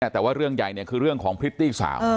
แต่ว่าเรื่องใหญ่คือเรื่องของพริตตี้สาว